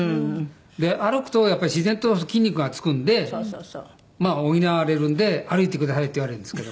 歩くとやっぱり自然と筋肉が付くんでまあ補われるんで「歩いてください」って言われるんですけど。